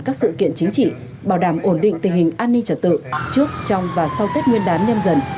các sự kiện chính trị bảo đảm ổn định tình hình an ninh trật tự trước trong và sau tết nguyên đán nhâm dần